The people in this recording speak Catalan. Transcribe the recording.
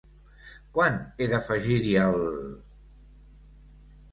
Quan he d'afegir-hi el...?